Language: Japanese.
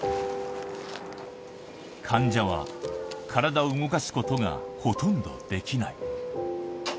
患者は、体を動かすことがほとんどできない。